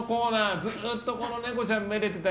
ずっとこのネコちゃんめでてたい。